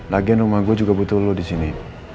lagian rumah gue juga butuh lu di sini